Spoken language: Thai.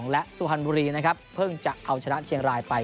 และสุพรรณบุรีนะครับเพิ่งจะเอาชนะเชียงรายไป